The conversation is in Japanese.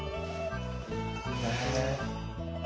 へえ。